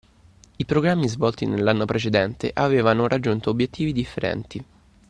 I programmi svolti nell’anno precedente avevano raggiunto obiettivi differenti.